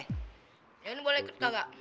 ini boleh ikut kakak